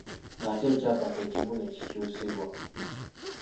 Ate ekyapa kye kimu ne kikyusibwa.